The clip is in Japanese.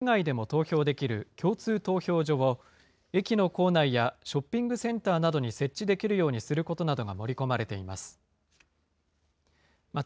改正案は、事前に決められた投票所以外でも投票できる共通投票所を、駅の構内やショッピングセンターなどに設置できるようにすることなどが盛り込まれています。